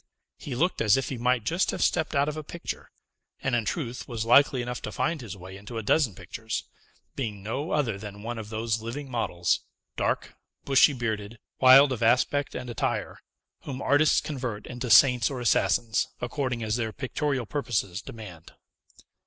He looked as if he might just have stepped out of a picture, and, in truth, was likely enough to find his way into a dozen pictures; being no other than one of those living models, dark, bushy bearded, wild of aspect and attire, whom artists convert into saints or assassins, according as their pictorial purposes demand.